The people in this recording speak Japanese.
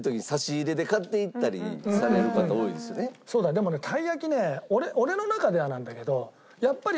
でもねたい焼きね俺の中ではなんだけどやっぱり。